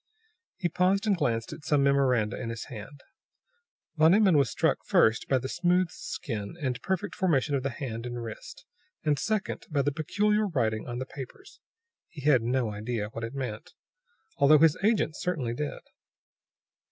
He paused and glanced at some memoranda in his hand. Van Emmon was struck, first, by the smooth skin and perfect formation of the hand and wrist; and, second, by the peculiar writing on the papers. He had no idea what it meant, although his agent certainly did.